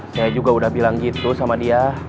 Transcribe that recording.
saya juga udah bilang gitu sama dia